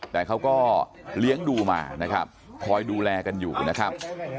แต่เขาก็เลี้ยงดูมานะครับคอยดูแลกันอยู่นะครับ